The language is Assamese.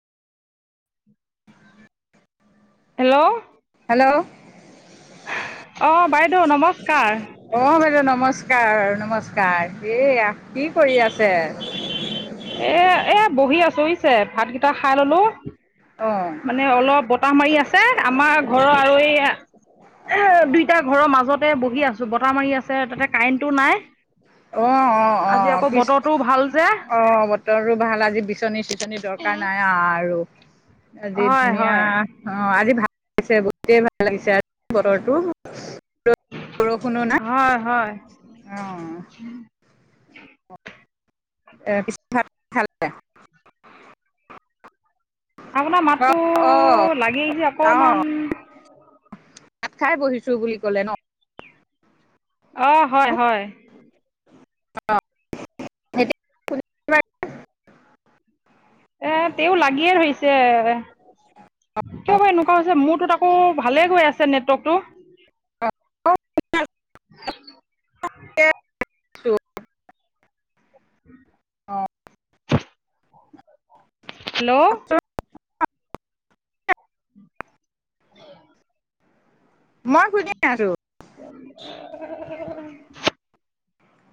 হেল্ল'। হেল্ল'। অ', বাইদেউ নমস্কাৰ। অ', বাইদেউ নমস্কাৰ, নমস্কাৰ। এই কি কৰি আছে? এ এ বহি আছো বুজিছে, ভাতকেইটা খাই ললো। অ মানে অলপ বতাহ মাৰি আছে, আমাৰ ঘৰৰ আৰু এই দুইটা ঘৰৰ মাজতে বহি আছো, বতাহ মাৰি আছে তাতে কাৰেণ্টটো নাই, অ অ অ আজি আকৌ পিছ বতৰটোও ভাল যে। অ', বত বতৰো ভাল, আজি বিচনী চিচনি দৰকাৰ নাই আৰু আজি হয় ধুনীয়া হয় অ', আজি ভাল লাগিছে, বহুতেই ভাল লাগিছে আজি বতৰটো। ৰ'দ, বৰষুণো নাই। হয়, হয়। অ'। [unintelligible] আপোনাৰ অ মাতটো, অ লাগেই যে অ অকমান ভাত খাই বহিছো বুলি ক'লে নহ? অ', হয়, হয়। [unintelligible] এ তেওঁ লাগিয়ে ধৰিছে কিয় বা এনেকুৱা হৈছে, মোৰতোত আকৌ ভালে গৈ আছে নেটৱৰ্কটো। [unintelligible] [inaudible] [unintelligible] উম। অ'। হেল্ল'। [inaudible] মই শুধ [inaudible]